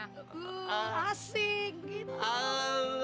iya asik gitu